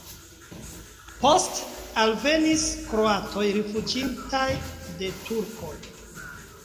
Poste alvenis kroatoj rifuĝintaj de turkoj.